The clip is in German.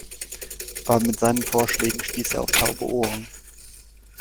Aber mit seinen Vorschlägen stieß er auf taube Ohren.